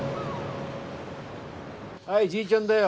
はいじいちゃんだよ。